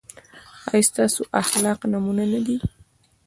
ایا ستاسو اخلاق نمونه نه دي؟